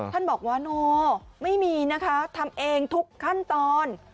ท่านบอกว่าโนไม่มีนะคะทำเองทุกขั้นตอน